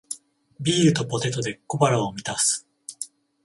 ビールとポテトで小腹を満たす